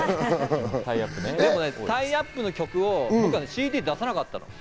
でもね、タイアップの曲をＣＤ出さなかったの。